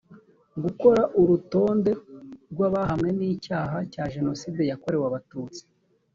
gukora urutonde rw abahamwe n icyaha cya jenoside yakorewe abatutsi